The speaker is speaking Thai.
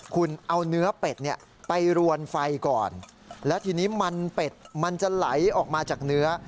คุณเอาเนื้อเป็ดเนี่ยไปรวนไฟก่อนแล้วทีนี้มันเป็ดมันจะไหลออกมาจากเนื้อ